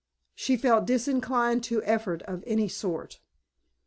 She felt disinclined to effort of any sort.